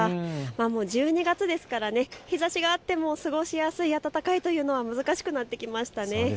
もう１２月ですから日ざしがあっても過ごしやすい、暖かいというのは難しくなってきましたね。